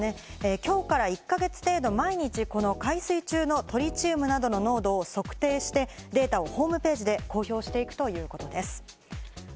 きょうから１か月程度、毎日、海水中のトリチウムなどの濃度を測定して、データをホームページで公表していくということです。